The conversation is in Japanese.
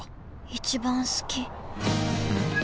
一番好き